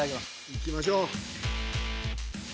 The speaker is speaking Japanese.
いきましょう。